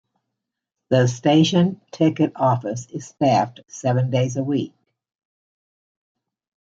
The station ticket office is staffed seven days a week.